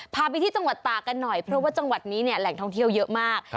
พาไปที่จังหวัดตากันหน่อยเพราะว่าจังหวัดนี้เนี่ยแหล่งท่องเที่ยวเยอะมาก